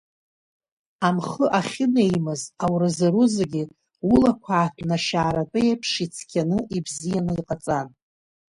Амхы ахьынеимаз ауразоуроу зегьы, улақәа ааҭнашьааратәы еиԥш ицқьаны, ибзианы иҟаҵан.